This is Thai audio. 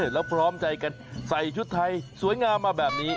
แล้วพร้อมใจกันใส่ชุดไทยสวยงามมาแบบนี้